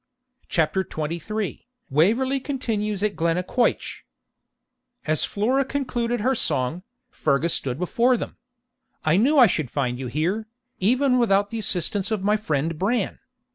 CHAPTER XXIII WAVEELEY CONTINUES AT GLENNAQUOICH As Flora concluded her song, Fergus stood before them. 'I knew I should find you here, even without the assistance of my friend Bran.